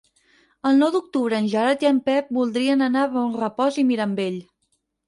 El nou d'octubre en Gerard i en Pep voldrien anar a Bonrepòs i Mirambell.